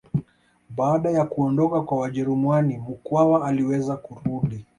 Baada ya kuondoka kwa Wajerumani Mkwawa aliweza kurudi